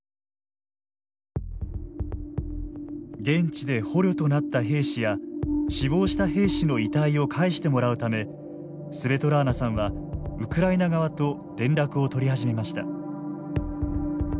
現地で捕虜となった兵士や死亡した兵士の遺体を返してもらうためスベトラーナさんはウクライナ側と連絡を取り始めました。